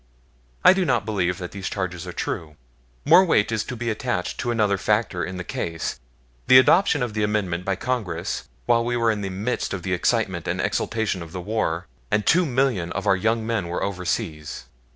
r do not believe that these charges are true. More weight is to be attached to another factor in the case the adoption of the Amendment by Congress while we were in the midst of the excitement and exaltation of the war, and two million of our young men were overseas.